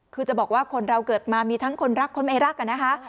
คือจะบอกว่าคนเราเกิดมามีทั้งคนรักคนไม่รักอะนะคะ